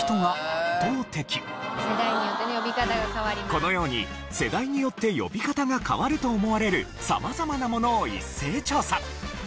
このように世代によって呼び方が変わると思われる様々なものを一斉調査。